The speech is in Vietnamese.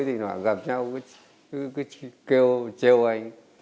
thì họ gặp nhau cứ kêu trêu anh